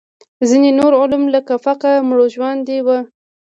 ځینې نور علوم لکه فقه مړژواندي وو.